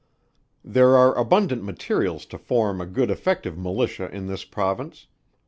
There are abundant materials to form a good effective Militia in this Province.